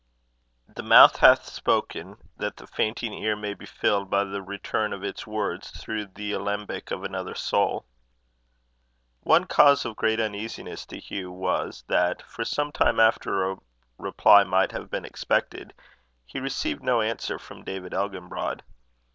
The mouth hath spoken, that the fainting ear may be filled by the return of its words through the alembic of another soul. One cause of great uneasiness to Hugh was, that, for some time after a reply might have been expected, he received no answer from David Elginbrod.